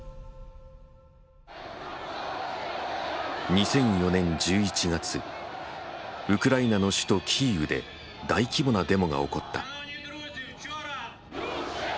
２００４年１１月ウクライナの首都キーウで大規模なデモが起こった。